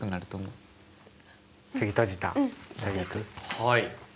はい。